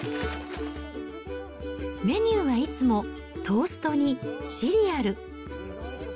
メニューはいつもトーストにシリアル。